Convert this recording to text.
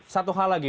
satu hal lagi